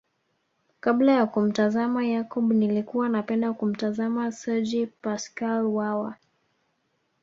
Kabla ya kumtazama Yakub nilikuwa napenda kumtazama Sergi Paschal Wawa